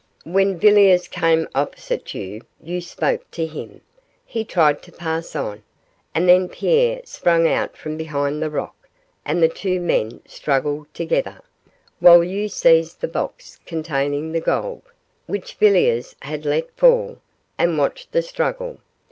When Villiers came opposite you you spoke to him; he tried to pass on, and then Pierre sprang out from behind the rock and the two men struggled together, while you seized the box containing the gold, which Villiers had let fall, and watched the struggle.